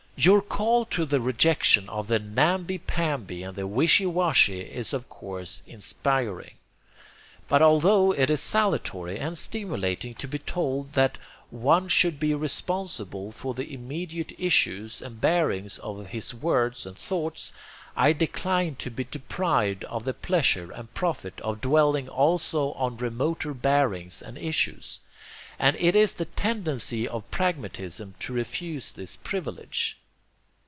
"Your call to the rejection of the namby pamby and the wishy washy is of course inspiring. But although it is salutary and stimulating to be told that one should be responsible for the immediate issues and bearings of his words and thoughts, I decline to be deprived of the pleasure and profit of dwelling also on remoter bearings and issues, and it is the TENDENCY of pragmatism to refuse this privilege.